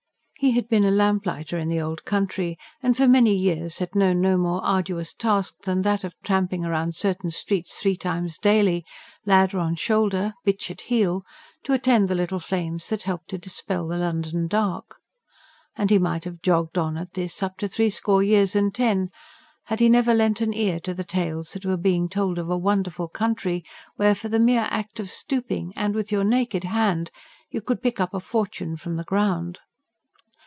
He had been a lamplighter in the old country, and for many years had known no more arduous task than that of tramping round certain streets three times daily, ladder on shoulder, bitch at heel, to attend the little flames that helped to dispel the London dark. And he might have jogged on at this up to three score years and ten, had he never lent an ear to the tales that were being told of a wonderful country, where, for the mere act of stooping, and with your naked hand, you could pick up a fortune from the ground.